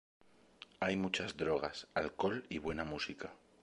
Hay muchas drogas, alcohol y buena música.